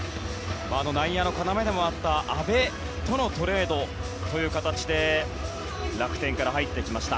内野の要でもあった阿部とのトレードで楽天から入ってきました。